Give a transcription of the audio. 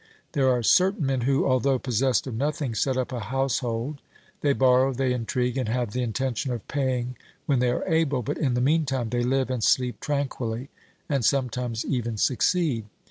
There are certain men who, although possessed of nothing, set up a house hold ; they borrow, they intrigue, and have the intention of paying when they are able, but in the meantime they live and sleep tranquilly, and sometimes even succeed.